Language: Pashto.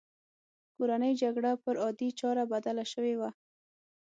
کورنۍ جګړه پر عادي چاره بدله شوې وه